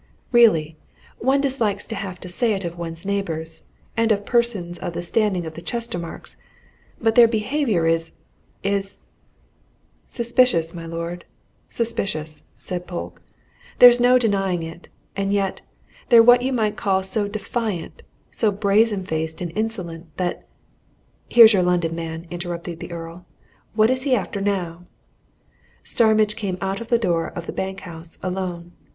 Really, one dislikes to have to say it of one's neighbours, and of persons of the standing of the Chestermarkes, but their behaviour is is " "Suspicious, my lord, suspicious!" said Polke. "There's no denying it. And yet, they're what you might call so defiant, so brazen faced and insolent, that " "Here's your London man," interrupted the Earl. "What is he after now?" Starmidge came out of the door of the bank house alone.